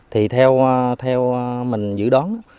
thì theo mình dự đoán